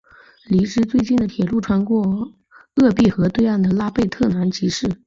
离之最近的铁路穿过鄂毕河对岸的拉贝特南吉市。